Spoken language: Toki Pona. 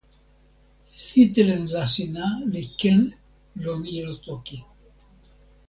sitelen Lasina li ken lon ilo toki.